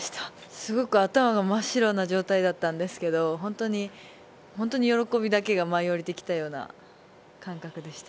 すごく頭が真っ白な状態だったんですけど、ホントに喜びだけが舞い降りてきたような感覚でした。